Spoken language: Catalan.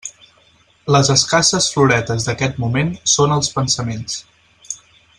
Les escasses floretes d'aquest moment són els pensaments.